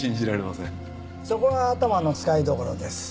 そこは頭の使いどころです。